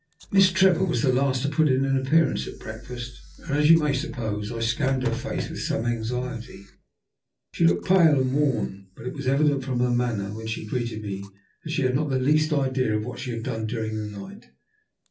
Miss Trevor was the last to put in an appearance at breakfast, and, as you may suppose, I scanned her face with some anxiety. She looked pale and worn, but it was evident from her manner when she greeted me, that she had not the least idea what she had done during the night.